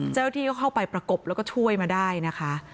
เจ้าหน้าที่ก็เข้าไปประกบแล้วก็ช่วยมาได้นะคะ